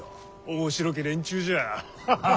面白き連中じゃ。